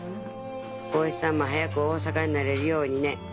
おいさんも早く大阪に慣れるようにね。